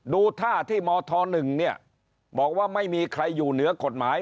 ดูท่าที่มธ๑บอกว่าไม่มีใครอยู่เหนือกฎหมาย